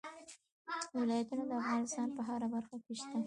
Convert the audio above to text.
ولایتونه د افغانستان په هره برخه کې شته.